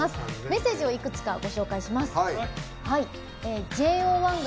メッセージをいくつかご紹介します。